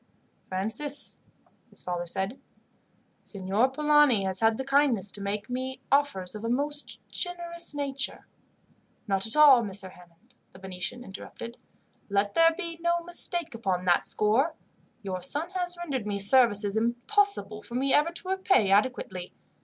"Francis," his father said, "Signor Polani has had the kindness to make me offers of a most generous nature." "Not at all, Messer Hammond," the Venetian interrupted. "Let there be no mistake upon that score. Your son has rendered me services impossible for me ever to repay adequately.